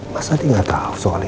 masa dia gak tahu soal ini